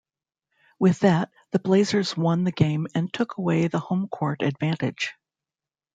With that, the Blazers won the game and took away the home-court advantage.